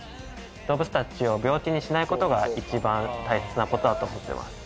動物たちを病気にしないことが一番大切なことだと思ってます。